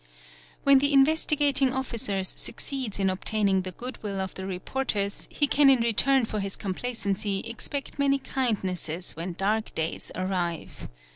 When the Investigating Officer succeeds in obtaining the good will the reporters he can in return for his complacency expect many kindness¢ when dark days arrive.